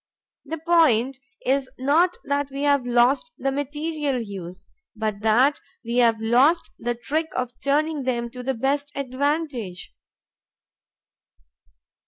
The point is not that we have lost the material hues, but that we have lost the trick of turning them to the best advantage.